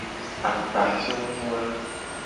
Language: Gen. Akpafiono a.